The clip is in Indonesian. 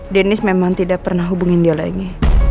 deniz memang tidak pernah hubungin dia lagi